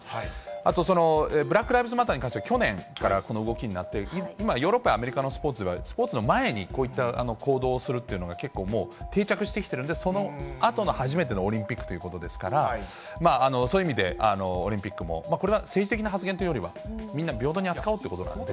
あと、ブラック・ライブズ・マターに関しては、去年からこの動きになっている、今、ヨーロッパやアメリカのスポーツではスポーツの前にこういった行動をするというのが、結構もう、定着してきているんで、そのあとの初めてのオリンピックということですから、そういう意味で、オリンピックも、これは政治的な発言というよりは、みんな平等に扱おうということなんで。